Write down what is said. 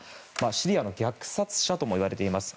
シリアの虐殺者ともいわれています。